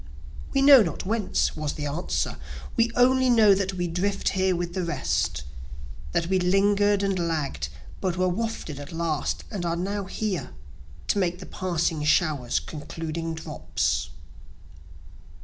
We know not whence, (was the answer,) We only know that we drift here with the rest, That we linger'd and lagg'd but were wafted at last, and are now here, To make the passing shower's concluding drops.